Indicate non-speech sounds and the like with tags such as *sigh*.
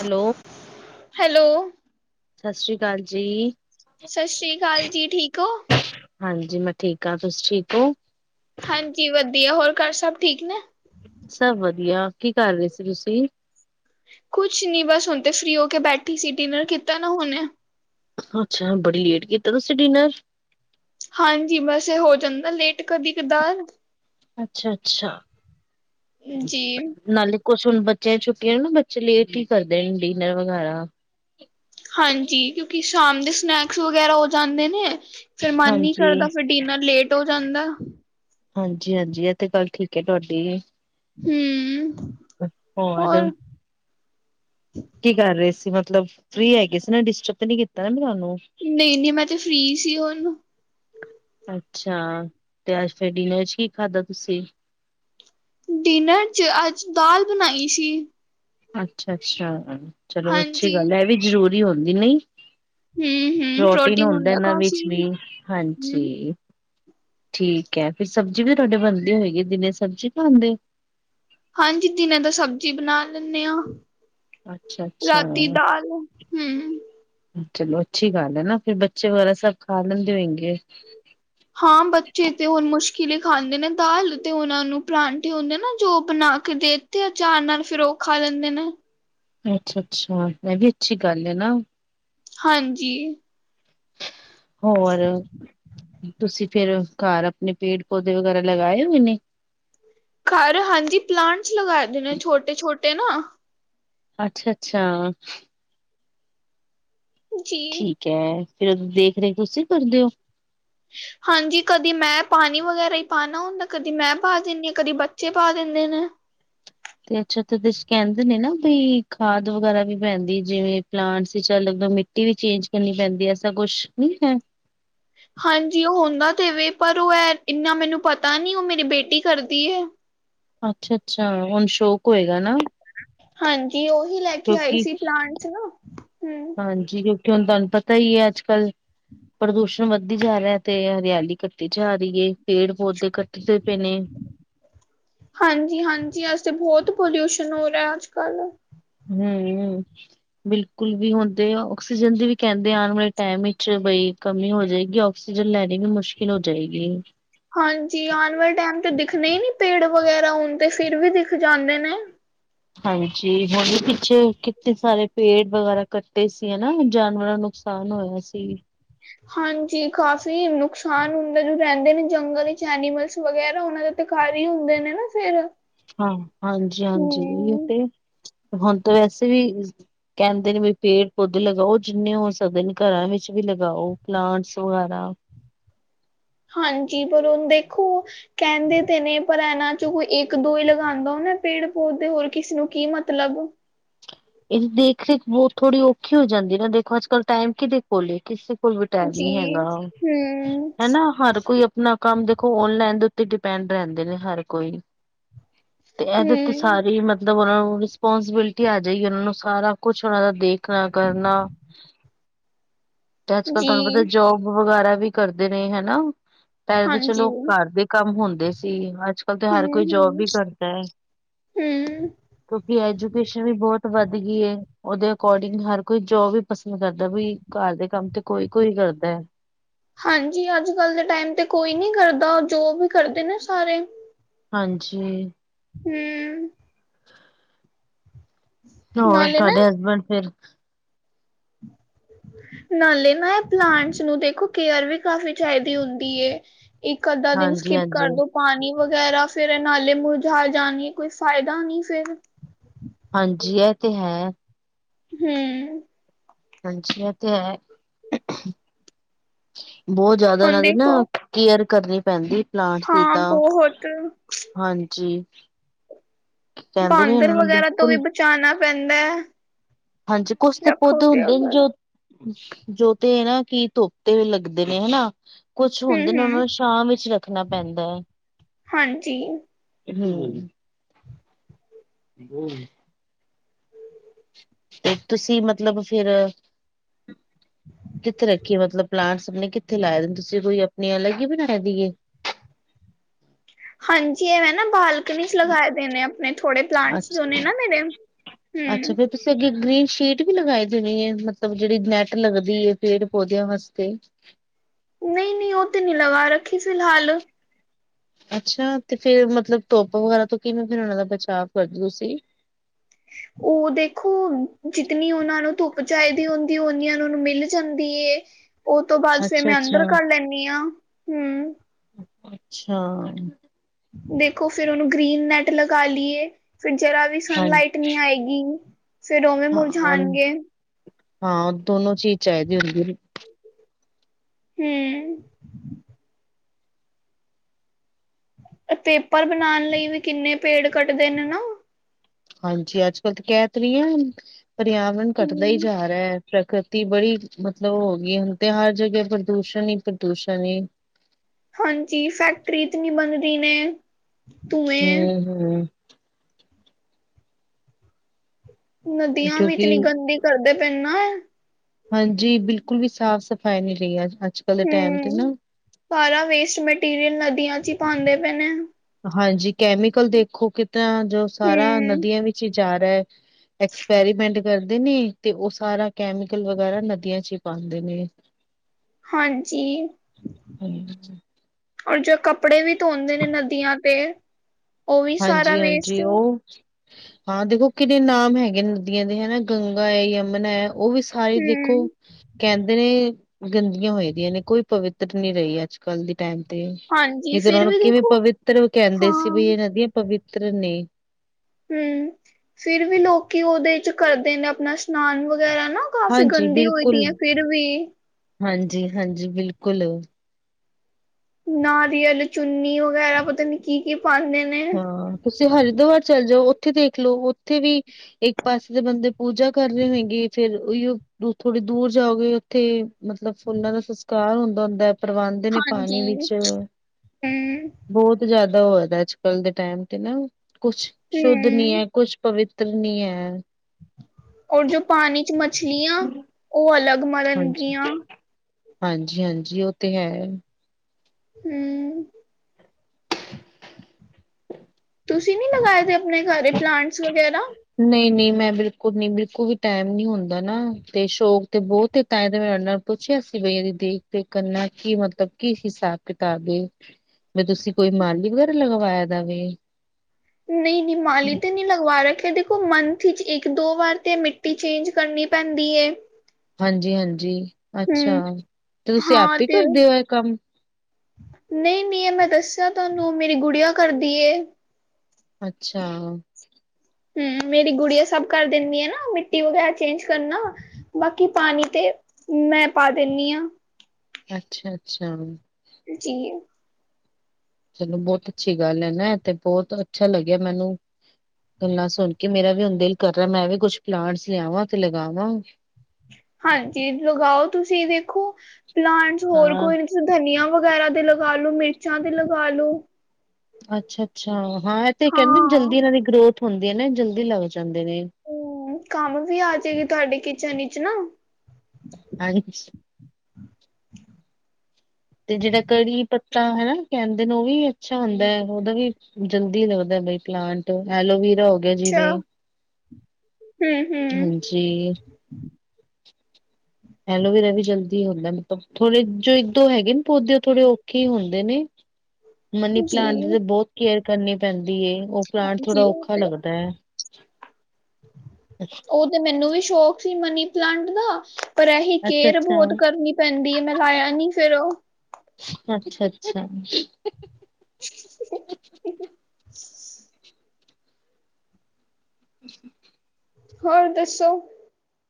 Hello hello, ਸਤਿ ਸ੍ਰੀ ਅਕਾਲ ਜੀ ਸਤਿ ਸ੍ਰੀ ਅਕਾਲ ਜੀ, ਠੀਕ ਹੋ। ਹਾਂਜੀ ਮੈਂ ਠੀਕ ਹਾਂ, ਤੁਸੀਂ ਠੀਕ ਹੋ। ਹਾਂਜੀ ਵਧੀਆ, ਹੋਰ ਘਰ ਸਭ ਠੀਕ ਨੇ। ਸਭ ਵਧੀਆ, ਕੀ ਕਰ ਰਹੇ ਸੀ ਤੁਸੀਂ। ਕੁਛ ਨੀ ਬਸ ਹੁਣ ਤੇ ਫ੍ਰੀ ਹੋ ਕੇ ਬੈਠੀ ਸੀ, ਡਿਨਰ ਕੀਤਾ ਨਾ ਹੁਨੇ। ਅੱਛਾ, ਬੜੀ ਲੇਟ ਕੀਤਾ, ਤੁਸੀਂ ਡਿਨਰ। ਹਾਂਜੀ, ਬਸ ਏ ਹੋ ਜਾਂਦਾ ਲੇਟ ਕਦੀ ਕਦਾਰ। ਅੱਛਾ ਅੱਛਾ, ਜੀ ਨਾਲੇ ਕੁਛ ਹੁਣ ਬੱਚਿਆਂ ਛੁੱਟੀਆਂ ਨੇ ਨਾ, ਬੱਚੇ ਲੇਟ ਹੀ ਕਰਦੇ ਨੇ ਡਿਨਰ ਵਗੈਰਾ। ਹਾਂਜੀ, ਕਿਉਂਕਿ ਸ਼ਾਮ ਦੇ ਸਨੈਕਸ ਵਗੈਰਾ ਹੋ ਜਾਂਦੇ ਨੇ। ਫਿਰ ਮਨ ਨਹੀਂ ਹਾਂਜੀ ਕਰਦਾ, ਫਿਰ ਡਿਨਰ ਲੇਟ ਹੋ ਜਾਂਦਾ। ਹਾਂਜੀ ਹਾਂਜੀ, ਇਹ ਤੇ ਗੱਲ ਠੀਕ ਹੈ ਤੁਹਾਡੀ। ਹੂ ਹੋਰ ਕੀ ਕਰ ਰਹੇ ਸੀ ਮਤਲਬ ਫ੍ਰੀ ਹੈਗੇ ਸੀ ਨਾ, ਡਿਸਟਰਬ ਨੀ ਕੀਤਾ ਨਾੈਂ ਤੁਹਾਨੂੰ। ਨਹੀਂ ਨਹੀਂ, ਮੈਂ ਤੇ ਫ੍ਰੀ ਹੀ ਸੀ ਹੁਨ। ਅੱਛਾ, ਤੇ ਅੱਜ ਫਿਰ ਡਿਨਰ ਚ ਕੀ ਖਾਧਾ ਤੁਸੀਂ। ਡਿਨਰ ਚ ਅੱਜ ਦਾਲ ਬਣਾਈ ਸੀ। ਅੱਛਾ ਅੱਛਾ ਚਲੋ ਅੱਛੀ ਹਾਂਜੀ। ਗੱਲ ਹੈ, ਇਹ ਵੀ ਜ਼ਰੂਰੀ ਹੁੰਦੀ ਨਹੀਂ। ਹੂੰ ਹੂੰ, ਪ੍ਰੋਟੀਨ ਹੋਂਦਾ ਹੈ, ਹੁੰਦਾ ਇਹਨਾਂ ਵਿੱਚ ਕਾਫੀ, ਵੀ, ਹੂੰ। ਹਾਂਜੀ। ਠੀਕ ਹੈ ਫਿਰ ਸਬਜ਼ੀ ਵੀ ਤੁਹਾਡੇ ਬਣਦੀ ਹੋਏਗੀ, ਦਿਨੇ ਸਬਜ਼ੀਾਉਂਦੇ ਔ। ਹਾਂਜੀ ਦਿਨੇ ਤਾਂ ਸਬਜ਼ੀ ਬਣਾ ਲੈਂਦੇ ਹਾਂ। ਹੋ? ਅੱਛਾ ਰਾਤੀ ਅੱਛਾ ਦਾਲ ਹੂ ਚਲੋ ਅੱਛੀ ਗੱਲ ਹੈ ਨਾ, ਫਿਰ ਬੱਚੇ ਵਗੈਰਾ ਸਭ ਖਾ ਲੈਂਦੇ ਹੋਏਗੇ। ਹਾਂ ਬੱਚੇ ਤੇ ਹੁਣ ਮੁਸ਼ਕਿਲ ਕਿਲੇ ਖਾਂਦੇ ਨੇ ਦਾਲ, ਤੇ ਉਹਨਾਂ ਨੂੰ ਪਰਾਂਠੇ ਹੁੰਦੇ ਨਾ, ਜੋ ਬਣਾ ਕੇ ਦੇ ਦਿੱਤੇ ਅਚਾਰ ਨਾਲ ਫਿਰ ਉਹ ਖਾ ਲੈਂਦੇ ਨੇ ਅੱਛਾ ਅੱਛਾ, ਇਹ ਵੀ ਅੱਛੀ ਗੱਲ ਹੈ ਨਾ। ਹਾਂਜੀ ਹੋਰ, ਤੁਸੀਂ ਫੇਰ ਘਰ ਆਪਣੇ ਪੇੜ ਪੌਦੇ ਵਗੈਰਾ ਲਗਾਏ ਹੋਏ ਨੇ। ਘਰ ਹਾਂਜੀ ਪਲਾਂਟਸ ਲਗਾਏ ਦੇ ਨੇ ਛੋਟੇ- ਛੋਟੇ ਨਾ। ਅੱਛਾ -ਅੱਛਾ ਜੀ ਕ ਫਿਰ ਉਹਦੀ ਦੇਖ -ਰੇਖ ਤੁਂਸੀ ਕਰ ਦੇਓ। ਹਾਂਜੀ ਕਦੇ ਮੈਂ ਪਾਣੀ ਵਗੈਰਾ ਹੀ ਪਾਣਾ ਹੁੰਦਾ ਕਦੀ ਮੈਂ ਪਾ ਦਿੰਦੀ ਹਾਂ ਕਦੀ ਬੱਚੇ ਪਾ ਦਿੰਦੇ ਨੇ। ਤੇ ਅੱਛਾ ਤੇ ਦੇ ਕਹਿੰਦੇ ਨੇ ਨਾ ਬਈ ਖਾਦ ਵਗੈਰਾ ਵੀ ਪੈਂਦੀ ਜਿਵੇਂ ਪਲਾਂਟਸ ਲੱਗਦਾ ਮਿੱ ਟੀ ਵੀ ਚੇਂਜ ਕਰਨੀ ਪੈਂਦੀ ਹੈ ਐਸਾ ਕੁਛ ਨਹੀਂ ਹੈ। ਹਾਂਜੀ ਉਹ ਹੁੰਦਾ ਤੇ ਵੇ ਪਰ ਉਹ ਹੈ ਇੰਨਾ ਮੈਨੂੰ ਪਤਾ ਨੀ ਉਹ ਮੇਰੀ ਬੇਟੀ ਕਰਦੀ ਹੈ। ਅੱਛਾ -ਅੱਛਾ ਹੁਣ ਸ਼ੋਕ ਹੋਏਗਾ ਨਾ। ਹਾਂਜੀ ਉਹੀ ਲੈ ਕੇ ਆਈ ਕਿਉਂਕਿ ਸੀ ਪਲਾਂਟਸ ਨਾ ਹੂੰ। ਹਾਂਜੀ ਕਿਉਂਕਿ ਹੁਣ ਤੁਹਾਨੂੰ ਪਤਾ ਹੀ ਹੈ ਅੱਜ ਕੱਲ੍ਹ ਪ੍ਰਦੂਸ਼ਣ ਵੱਧਦੀ ਜਾ ਰਿਹਾ ਤੇ ਹਰਿਆਲੀ ਕੱਟੀ ਜਾ ਰਹੀ ਹੈਏ ਪੇੜ ਪੌਦੇ ਕੱਟਦੇ ਪਏ ਨੇ। ਹਾਂਜੀ -ਹਾਂਜੀ ਅੇ ਬਹੁਤ ਪੋਲਿਊਸ਼ਨ ਹੋ ਰਿਹਾ ਅੱਜ ਕੱਲ ਹੂੰ -ਹੂੰ ਬਿਲਕੁਲ ਵੀ ਹੁੰਦੇ ਆ ਆਕਸੀਜਨ ਦੀ ਵੀ ਕਹਿੰਦੇ ਆ ਆਉਣ ਵਾਲੇ ਟਾਈਮ ਵਿੱਚ ਬਈ ਕਮੀ ਹੋ ਜਾਏਗੀ ਆਕਸੀਜਨ ਲੈਣੀ ਵੀ ਮੁਸ਼ਕਿਲ ਹੋ ਜਾਏਗੀ। ਹਾਂਜੀ ਆਉਣ ਵਾਲੇ ਟਾਈਮ ਤੇ ਦਿਖਣੇ ਹੀ ਨਹੀਂ ਪੇੜ ਵਗੈਰਾ ਹੁਣ ਤੇ ਫਿਰ ਵੀ ਦਿੱਖ ਜਾਂਦੇ ਨੇ। ਹਾਂਜੀ ਹੁਣ ਪਿੱਛੇ ਕਿੱਛ ਸਾਰੇ ਪੇੜ ਵਗੈਰਾ ਕੱਟੇ ਸੀ ਹਨਾ ਜਾਨਵਰਾਂ ਨੂੰ ਸਾਨ ਹੋਇਆ ਸੀ। ਹਾਂਜੀ ਕਾਫ਼ੀ ਨੁਕਸਾਨ ਹੁੰਦਾ ਜੋ ਰਹਿੰਦੇ ਨੇ ਜੰਗਲ ਵਿੱਚ ਐਨੀਮਲਸ ਵਗੈਰਾ ਉਹਨਾਂ ਦੇ ਤਕਾਰੀ ਹੁੰਦੇ ਨੇ ਨਾ ਫਿਰ ਹਾਂ ਹਾਂਜੀ -ਹਾਂਜੀ ਇਹ ਹੂੰ ਤੇ ਹੁਣ ਤਾਂ ਵੈਸੇ ਵੀ ਕਹਿੰਦੇ ਨੇ ਵੀ ਪੇੜ ਪੌਦੇ ਲਗਾਓ ਜਿੰਨੇ ਹੋ ਸਕਦੇ ਨੇ ਘਰਾਂ ਵਿੱਚ ਵੀ ਲਗਾਓ ਪਲਾਂਟਸ ਵਗੈਰਾ ਹਾਂਜੀ ਪਰ ਹੁਣ ਦੇਖੋ। ਕਹਿੰਦੇ ਤੇ ਨੇ ਪਰ ਇਹਨਾਂ 'ਚ ਕੋਈ ਇੱਕ ਦੋ ਹੀ ਲਗਾਉਂਦਾ ਉਹ ਨਾ ਪੇੜ ਪੌਦੇ ਦੇ ਹੋਰ ਕਿਸੇ ਨੂੰ ਕੀ ਮਤਲਬ ਇਹਦੀ ਦੇਖ ਰੇਖ ਬਹੁਤ ਥੋੜੀ ਔਖੀ ਹੋ ਜਾਂਦੀ ਨਾ ਦੇਖੋ ਅੱਜ ਕੱਲ ਟਾਈਮ ਕਿਹਦੇ ਕੋਲ ਕਿਸੇ ਕੋ ਵੀ ਟੈਮ ਨਹੀਂ ਜੀ ਹੈਗਾ ਹੂੰ ਹਨਾ ਹਰ ਕੋਈ ਨਾ ਕੰਮ ਦੇਖੋ ਔਨਲਾਈਨ ਦੇ ਉੱਤੇ ਡਿਪੈਂਡ ਰਹਿੰਦੇ ਨੇ ਹਰ ਕੋਈ ਤੇ ਇਹਦੇ ਉੱਤੇ ਹੂੰ ਸਾਰੀ ਮਤਲਬ ਉਹਨਾ ਨੂੰ ਰਿਸਪੋਂਸੀਬਿਲਿਟੀ ਆ। ਜਾਹੀ ਉਹਨਾਂ ਨੂੰ ਸਾਰਾ ਕੁਛ ਉਹਨਾਂ ਦਾ ਦੇਖਣਾ ਕਰਨਾ। ਤੇ ਅੱਜ ਕੱਲ ਜੀ, ਤੁਹਾਨੂੰ ਪਤਾ ਜੋਬ ਵਗੈਰਾ ਵੀ ਕਰਦੇ ਨੇ ਹਨਾ ਪਹਿਲੇ ਤਾਂ ਹਾਂਜੀ, ਚਲੋ ਘਾਰਦੇ ਕੰਮ ਹੁੰਦੇ ਸੀ ਅੱਜ ਤੇ ਹਰ ਹੂੰ-ਹੂੰ, ਕੋਈ ਜੋਬ ਹੂੰ। ਵੀ ਕਰਦਾ ਹੈ ਹੂੰ ਕਿਉਂਕਿ ਐਜੂਕੇਸ਼ਨ ਵੀ ਬਹੁਤ ਵੱਧ ਗਈ ਏ। ਉਹਦੇ ਅਕੋਰਡਿੰਗ ਹਰ ਕੋਈ ਜੋਬ ਵੀ ਪਸੰਦ ਕਰਦਾ ਬਈ ਘਰ ਦੇ ਕੰਮ ਤੇ ਕੋਈ ਕੋਈ ਕਰਦਾ। ਹਾਂਜੀ ਅੱਜ ਕੱਲ ਦੇ ਟਾਈਮ ਤੇ ਕੋਈ ਨੀ ਕਰਦਾ ਜੋਬ ਈ ਕਰਦੇ ਨੇ ਸਾਰੇ ਹਾਂਜੀ ਹੂੰ *inaudible* ਹੋਰ ਨਾਲੇ ਨਾ ਤੁਹਾਡੇ ਹਸਬੈਂਡ ਫਿਰ ਹ ਨਾਲੇ ਨਾ ਇਹ ਪਲਾਂਟਸ ਨੂੰ ਦੇਖੋ ਕੇਅਰ ਵੀ ਕਾਫ਼ੀ ਚਾਹੀਦੀ ਹੁੰਦੀ ਏ। ਇੱਕ ਅੱਧਾ ਦਿਨ ਹਾਂਜੀ ਸਕਿਪ ਕਰ ਹਾਂਜੀ ਦੋ। ਪਾਣੀ ਵਗੈਰਾ ਫਿਰ ਨਾਲੇ ਮੁਰਝਾ ਜਾਣੀ ਕੋਈ ਫ਼ਾਇਦਾ ਨ ਫਿਰ ਹਾਂਜੀ ਇਹ ਤੇ ਹੈ। ਹੂੰ ਹਾਂਜੀ ਇਹ ਤੇ ਹੈ ਬਹੁਤ ਜ਼ਿਆਦਾ ਹੁਣ ਇਹਨਾਂ ਦੀ ਨਾ ਦੇਖੋ ਕੇਅਰ ਕਰਨੀ ਪੈਂਦੀ ਪਲਾਂਟਸ ਦੀ ਹਾਂ ਤਾਂ ਬਹੁਤ ਹਾਂਜੀ। ਕਹਿੰਦੇ ਨੇ ਬਾਂਦਰ ਇਹਨਾਂ ਨੂੰ ਵਗੈਰਾ ਤੋਂ ਵੀ ਬਿਲਕੁਲ ਬਚਾਣਾ ਪੈਂਦਾ। ਹਾਂਜੀ, ਕੁਛ ਤੇ ਰੱਖੋ ਪੌਦੇ ਹੁੰਦੇ ਨੇ ਅਗਰ ਜੋ ਜੋ ਤੇ ਨਾ ਕਿ ਤੁੱਪ ਤੇ ਲੱਗਦੇ ਨੇ, ਹਨਾ। ਕੁਛ ਹੁੰਦੇ ਨੇ, ਔਹਨਾਂ ਹੂੰ-ਹੂੰ, ਨੂੰ ਸ਼ਾ ਵਿੱਚ ਰੱਖਣਾ ਪੈਂਦਾ ਹਾਂਜੀ। ਏ। ਹੂੰ। *inaudible* ਤੇ ਤੁਸੀਂ ਮਤਲਬ ਫਿਰ ਕਿੱਥੇ ਰੱਖੀਏ ਮਤਲਬ ਪਲਾਂਟਸ ਅਪਣੇ, ਕਿੱਥੇ ਲਾਏ ਦੇ ਨੇ ਤੁਸੀਂ? ਕੋਈ ਅਪਣੀ ਅਲਗ ਈ ਬਣਾਏ ਦੀਏ? ਹਾਂਜੀ ਏਹਵੇਂ ਨਾ ਬਾਲ ਕਨੀ ਚ ਲਗਾਏ ਦੇ ਨੇ, ਅਪਣੇ ਥੋੜੇ ਪਲਾਂਟਸ ਅੱਛ ਜੋ ਨੇ ਨਾ ਮੇਰੇ, ਅੱਛਾ ਹੂੰ। ਫੇਰ ਤੁਸੀਂ ਅੱਗੇ ਗ੍ਰੀਨ ਸ਼ੀਟ ਵੀ ਲਗਾਈ ਦੀ ਹੋਣੀ ਏ, ਮਤਲਬ ਜੇਹੜੀ ਨੈੱਟ ਲੱਗਦੀ ਏ, ਪੇੜ ਪੌਦਿਆਂ ਵਾਸਤੇ? ਨਈ-ਨਈ, ਔਹ ਤੇ ਨਈ ਲਗਾ ਰੱਖੀ ਫਿਲਹਾਲ। ਅੱਛਾ, ਤੇ ਫੇਰ ਮਤਲਬ ਤੋਪ ਵਗੈਰਾ ਤੋਂ ਕਿਵੇਂ ਫਿਰ ਉਹਨਾਂ ਦਾ ਬਚਾਵ ਕਰਦੇ ਤੂਸੀਂ? ਔਹ ਦੇਖੋ, ਜਿਤਨੀ ਉਹਨਾਂ ਨੂੰ ਤੁੱਪ ਚਾਈਦੀ ਹੁੰਦੀ, ਉਓਨੀ ਉਹਨਾਂ ਨੂੰ ਮਿਲ ਜਾਂਦੀ ਏ। ਔਹ ਤੋਂ ਬਾਅਦ ਫਿਰ ਅੱਛਾ ਮੈਂ ਅੰਦਰ ਅੱਛਾ ਕਰ ਲੈਂਣੀ ਆ। ਹੂੰ। ਅੱਛਾ। ਦੇਖੋ ਫਿਰ ਉਹਨੂੰ ਗ੍ਰੀਨ ਨੈਟ ਲਗਾ ਲਈਏ, ਫਿਰ ਜਰਾ ਵੀ ਸਨ ਹਾਂਜੀ ਲਈਟ ਨਈ ਆਏਗੀ। ਫਿਰ ਉਵੇਂ ਹਾਂ, ਮੁਰਝਾਣਗੇ ਹਾਂ ਦੋਨੋ ਚੀਜ਼ ਚਾਹੀਦੀ ਹੁੰਦੀ। ਹੂੰ। ਪੇਪਰ ਬਣਾਣ ਲਈ ਵੀ ਕਿੰਨੇ ਪੇੜ ਕੱਟਦੇ ਨੇ ਨਾ? ਹਾਂਜੀ, ਅੱਜ ਕੱਲ ਤੇ ਕੇਹ ਤੇ ਨਈ ਆ, ਪਰਿਆਵਨ ਘੱਟਦਾ ਈ ਹੂੰ ਜਾ ਰੈ। ਪ੍ਰਕਰਤੀ ਬੜੀ ਮਤਲਬ ਹੋ ਗਈ ਏ, ਹੁਣ ਤੇ ਹਰ ਜਗਏ ਪ੍ਰਦੂਸ਼ਣ ਈ ਪ੍ਰਦੂਸ਼ਣ ਐ। ਹਾਂਜੀ, ਫੈਕਟਰੀ ਇਤਨੀ ਬਨ ਰੀ ਨੇ। ਧੂਏ ਹੂੰ-ਹੂੰ। ਨਦੀਆਂ ਵੀ ਕਿਉਂਕਿ ਇਤਨੀ ਗੰਦੀ ਕਰਦੇ ਪਏ ਨਾ। ਹਾਂਜੀ, ਬਿਲਕੁਲ ਵੀ ਸਾਫ਼ ਸਫ਼ਾਈ ਨਈ ਰੀ ਅੱਜ, ਅੱਜ ਕੱਲ ਦੇ ਟੈਮ ਤੇ ਹੂੰ ਨਾ। ਸਾਰਾ ਵੇਸਟ ਮੇਟੀਰੀਅਲ, ਨਦੀਆਂ ਚ ਈ ਪਾਂਦੇ ਪਏ ਨੇ। ਹਾਂਜੀ, ਕੈਮੀਕਲ ਦੇਖੋ ਕਿ ਤਾਂ, ਜੋ ਸਾਰਾ ਹੂੰ ਨਦੀਆਂ ਵਿੱਚ ਈ ਜਾ ਰਾ ਐ। ਐਕਸਪੈਰੀਮੈਂਟ ਕਰਦੇ ਨੇ, ਤੇ ਉਹ ਸਾਰਾ ਕੈਮੀਕਲ ਵਗੈਰਾ ਨਦੀਆਂ ਚ ਈ ਪਾਂਦੇ ਨੇ। *inaudible* ਹਾਂਜੀ, ਔਰ ਜੋ ਕ ਪੜੇ ਵੀ ਧੋਂਦੇ ਨੇ ਨਦੀਆਂ ਤੇ ਉਹ ਵੀ ਸਾਰਾ ਵੇਸਟ ਹਾਂਜੀ-ਹਾਂਜੀ, ਉਹ ਹਾਂ, ਦੇਖੋ ਕਿੰਨੇ ਨਾਮ ਹੈਗੇ ਨਦੀਆਂ ਦੇ ਹਨਾ, ਗੰਗਾ ਏ, ਯਮਨਾ ਏ। ਔਹ ਵੀ ਸਾਰੇ ਦੇਖੋ, ਹੂੰ ਕੇਂਦੇ ਨੇ ਗੰਦੀਆਂ ਹੋਏ ਦੀਆਂ ਨੇ, ਕੋਈ ਪਵਿੱਤਰ ਨਈ ਰਈ ਅੱਜ ਕੱਲ ਦੇ ਟੈਮ। ਤੇ ਹਾਂਜੀ ਨਈ ਤੇ ਉਅਨਾਂ ਫਿਰ ਨੂੰ ਵੀ ਕਿਵੇਂ ਦੇਖੋ ਪਵਿੱਤਰ ਕੇਂਦੇ ਸੀ, ਹਾਂ ਵੀ ਏਹ ਨਦੀਆਂ ਪਵਿੱਤਰ ਨੇ। ਹੂੰ, ਫਿਰ ਵੀ ਲੋਕੀ ਉਅਦੇ ਚ ਕਰਦੇ ਨੇ, ਅਪਣਾ ਇਸ਼ਨਾਨ ਵਗੈਰਾ ਨਾ। ਕਾਫ਼ੀ ਗੰਦੀ ਹੋਈ ਦੀ ਏ ਫਿਰ ਵੀ। ਹਾਂਜੀ-ਹਾਂਜੀ, ਬਿਲਕੁਲ। ਨਾਰੀਅਲ, ਚੁੰਨੀ ਵਗੈਰਾ ਪਤਾ ਨੀ ਕੀ-ਕੀ ਪਾਂਦੇ? ਹਾਂ, ਤੁਸੀਂ ਹਰਿਦੁਵਾਰ ਚੱਲ ਜੋ, ਔਥੇ ਦੇਖ ਲੋ, ਔਥੇ ਵੀ ਇੱਕ ਪਾਸੇ ਦੇ ਬੰਦੇ ਪੂਜਾ ਕਰ ਰਏ ਨੇ ਹੇਗੇ, ਫੇਰ ਔਈਓ ਦੁ ਥੋੜੀ ਦੂਰ ਜਾਓਗੇ ਔਥੇ ਮਤਲਬ ਫੁੱਲਾਂ ਦਾ ਸੰਸਕਾਰ ਹੁੰਦਾ-ਹੁੰਦਾ ਏ, ਪ੍ਰਵਾਂਦੇ ਨੇ ਪਾਣੀ ਹਾਂਜੀ ਵਿੱਚ। ਹੂੰ ਬੋਹੋਤ ਜਾਅਦਾ ਹੋਏਆ ਦਾ ਅੱਜ ਕੱਲ ਦੇ ਟੈਮ ਤੇ ਨਾ। ਕੁਛ ਸ਼ੁੱਧ ਨੀ ਹੂੰ ਏ, ਕੁਛ ਪਵਿੱ ਤਰ ਨੀ ਐ। ਔਰ ਜੋ ਪਾਣੀ ਚ ਮੱਛਲੀਆਂ, ਔਹ ਅਲੱਗ ਮਰਨਗੀਆਂ। ਹਾਂਜੀ-ਹਾਂਜੀ ਔਹ ਤੇ ਹੈ। ਹੂੰ। ਤੁਸੀਂ ਨੀ ਲਗਾਏ ਦੇ ਆਪਣੇ ਕਾਰ ਏਹ ਪਲਾਂਟਸ ਵਗੈਰਾ? ਨਈ-ਨਈ ਮੈਂ ਬਿਲਕੁਲ ਨਈ, ਬਿਲਕੁਲ ਵੀ ਟੈਮ ਨੀ ਹੁੰਦਾ ਨਾ। ਤੇ ਸ਼ੌਕ ਤੇ ਬੋਤ ਏ, ਤਾਂ ਈ ਤੇ ਮੇ *unintelligible* ਪੁੱਛਿਆ ਸੀ ਬਈ ਏਦੀ ਦੇਖ-ਦੇੇਖ ਕਰਨਾ, ਕੀ ਮਤਲਬ ਕੀ ਹਿਸਾਬ ਕਿਤਾਬ ਐ? ਵੀ ਤੁਸੀਂ ਕੋਈ ਮਾਲੀ ਵਗੈਰਾ ਲਗਵਾਇਆ ਦਾਵੇ ਨਹੀਂ ਨਹੀਂ ਮਾਲੀ ਤੇ ਨਹੀ ਲਗਵਾ ਰੱਖਿਆ ਦੇਖੋ ਮੰਥ ਵਿਚ ਇੱਕ ਦੋ ਵਾਰ ਤੇ ਮਿੱ ਟੀ ਚੇਂਜ ਕਰਨੀ ਪੈਂਦੀ ਏ ਹਾਂਜੀ, ਹਾਂਜੀ ਅੱਛਾ ਹਮ ਤੇ ਤੁਸੀਂ ਹਾਂ ਆਪੇ ਹੀ ਤੇ ਕਰਦੇ ਹੋ ਇਹ ਕੰਮ। ਨਹੀਂ, ਨਹੀਂ ਇਹ ਮੈਂ ਦੱਸਿਆ ਤੁਹਾਨੂੰ ਮੇਰੀ ਗੁੜੀਆ ਕਰਦੀ ਏ। ਅੱਛਾ। ਹੂੰ ਮੇਰੀ ਗੁੜੀੀਆਂ ਸਭ ਕਰ ਦਿੰਦੀ ਏ ਨਾ ਮਿੱਟੀ ਵਗੈਰਾ ਚੇਂਜ ਕਰਨਾ। ਬਾਕੀ ਪਾਣੀ ਤੇ ਮੈਂ ਪਾ ਦੇਨੀ ਆ। ਅੱਛਾ, ਅੱਛਾ। ਜੀ‌ ਚਲੋ ਬਹੁਤ ਅੱਛੀ ਗੱਲ ਏ ਨਾ ਐ ਤੇ ਬਹੁਤ ਅੱਛਾ ਲੱਗਿਆ ਮੈਨੂੰ। ਗੱਲਾਂ ਸੁਣ ਕੇ ਮੇਰਾ ਵੀ ਹੁਣ ਦਿਲ ਕਰ ਰਿਹਾ ਮੈਂ ਵੀ ਕੁਛ ਪਲਾਂਟਸ ਲਿਆਵਾਂ ਤੇ ਲਗਾਵਾਂ। ਹਾਂਜੀ ਲਗਾਓ ਤੁਸੀਂ ਵੇਖੋ ਪਲਾਂਟਸ ਹੋਰ ਹਾਂ ਕੋਈ ਤੁ ਧਨੀਆਂ ਵਗੈਰਾ ਦੇ ਲਗਾ ਲੋ ਮਿਰਚਾਂ ਦੇ ਲਗਾ ਲੋ। ਅੱਛਾ, ਅੱਛਾ ਹਾਂ ਇਹ ਤੇ ਕਹਿੰਦੇ ਹਾਂ ਜਲਦੀ ਇਹਨਾਂ ਦੀ ਗਰੋਥ ਹੁੰਦੀ ਏ ਨਾ ਜਲਦੀ ਲੱਗ ਜਾਂਦੇ ਨੇ। ਹੂੰ ਕੰਮ ਵੀ ਆ ਜਾਏਗੀ ਤੁਹਾਡੇ ਕਿਚਨ ਇਚ ਨਾ। ਹਾਂਜੀ। ਤੇ ਜਿਹੜਾ ਕੜੀ ਪੱਤਾ ਹੈਨਾ ਕਹਿੰਦੇ ਨੇ ਉਹ ਵੀ ਅੱਛਾ ਹੁੰਦਾ ਹੈ ਉਹਦਾ ਵੀ ਜਲਦੀ ਲੱਗਦਾ ਬਈ ਪਲਾਂਟ ਐਲੋਵੀਰਾ ਹੋ *unintelligible* ਅੱਛਾ ਨੇ ਹੂੰ ਹੂੰ ਹਾਂਜੀ। ਐਲੋਵੀਰਾ ਵੀ ਜਲਦੀ ਹੁੰਦਾ ਮਤਲਬ ਥੋੜੇ ਜੋ ਇਕ ਦੋ ਹੈਗੇ ਨੇ ਪੌਦੇ ਉਹ ਥੋੜੇ ਔਖੇ ਹੀ ਹੁੰਦੇ ਨੇ। ਮਨੀ ਜੀ ਪਲਾਂਟ ਤੇ ਬਹੁਤ ਕੇਅਰ ਕਰਨੀ ਪੈਂਦੀ ਉਹ ਪਲਾਂਟ ਥੋੜ੍ਹਾ ਹਾਂਜੀ ਉਹ ਔਖਾ ਤੇ ਲੱਗਦੈ। ਉਹ ਮੈਨੂੰ ਵੀ ਸ਼ੌਕ ਸੀ ਮਨੀ ਪਲਾਂਟ ਦਾ ਪਰ ਅਸੀ ਕੇੇਅਰ ਬਹੁਤ ਅੱਛਾ-ਅੱਛਾ, ਕਰਨੀ ਪੈਂਦੀ ਏ ਮੈਂ ਲਾਇਆ ਨੀ ਫੇਰ ਉਹ ਅੱਛਾ, ਅੱਛਾ। *inaudible* ਅੱਛ *inaudible* ਹੋਰ ਦੱਸੋ।